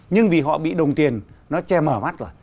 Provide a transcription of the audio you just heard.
nhưng vì họ bị đồng tiền nó che mở mắt rồi